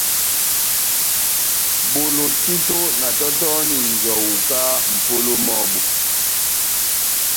Bolo títo na tɔtɔhɔni njɔwu kahá mʼpolo mɔ́bu.